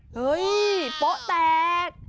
เฮ้ยโป๊ะแตก